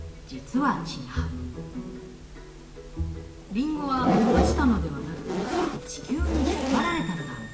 リンゴは落ちたのではなく地球に引っ張られたのだ。